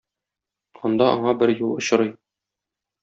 Анда аңа бер юл очрый.